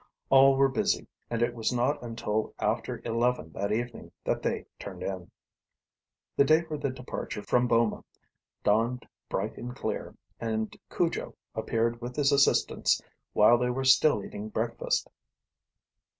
All were busy, and it was not until after eleven that evening that they turned in. The day for the departure from Boma dawned bright and clear, and Cujo appeared with his assistants while they were still eating breakfast.